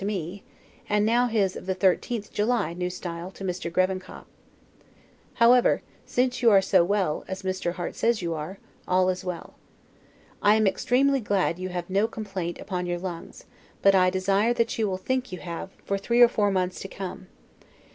to me; and now his of the 13th July, N. S., to Mr. Grevenkop. However, since you are so well, as Mr. Harte says you are, all is well. I am extremely glad that you have no complaint upon your lungs; but I desire that you will think you have, for three or four months to come.